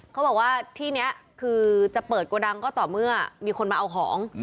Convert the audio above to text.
เขาบอกว่าที่นี้คือจะเปิดโกดังก็ต่อเมื่อมีคนมาเอาของ